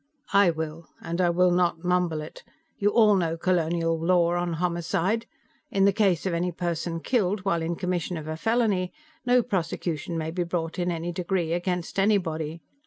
"I will, and I will not mumble it. You all know colonial law on homicide. In the case of any person killed while in commission of a felony, no prosecution may be brought in any degree, against anybody.